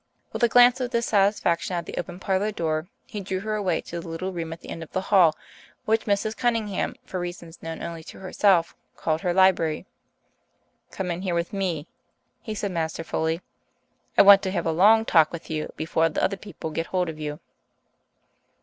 With a glance of dissatisfaction at the open parlour door, he drew her away to the little room at the end of the hall, which Mrs. Cunningham, for reasons known only to herself, called her library. "Come in here with me," he said masterfully. "I want to have a long talk with you before the other people get hold of you."